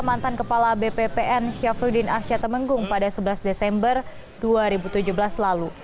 mantan kepala bppn syafruddin arsyad temenggung pada sebelas desember dua ribu tujuh belas lalu